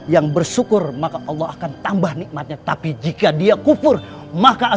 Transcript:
yang bersyukur maka allah akan tambah nikmatnya tapi jika dia kufur maka